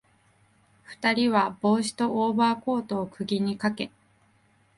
二人は帽子とオーバーコートを釘にかけ、